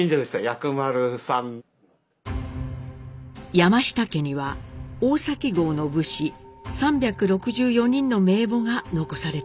山下家には大崎郷の武士３６４人の名簿が残されていました。